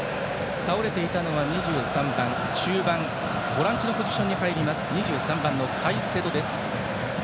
倒れていたのは２３番中盤、ボランチのポジション２３番のカイセドです。